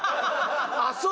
あっそうか。